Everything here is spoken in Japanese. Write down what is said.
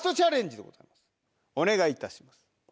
お願いいたします。